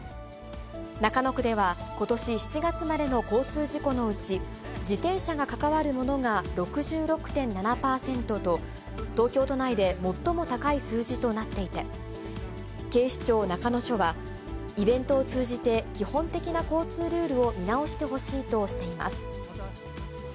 中野区では、ことし７月までの交通事故のうち、自転車が関わるものが６６．７％と東京都内で最も高い数字となっていて、警視庁中野署は、イベントを通じて、基本的な交通ルールを見直してほしいとしています。